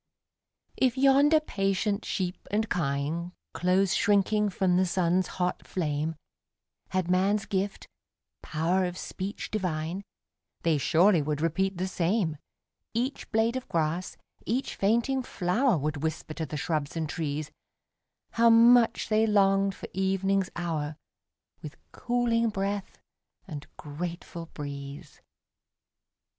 If yonder patient sheep and kine, Close shrinking from the sun's hot flame, Had man's gift "power of speech divine," They surely would repeat the same Each blade of grass, each fainting flower, Would whisper to the shrubs and trees, How much they longed for evening's hour, With cooling breath and grateful breeze.